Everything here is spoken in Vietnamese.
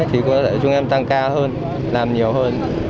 thì có thể chúng em tăng ca hơn làm nhiều hơn